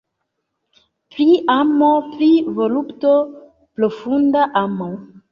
Pri amo, pri volupto. Profunda amo.